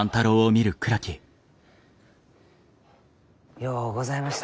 ようございました。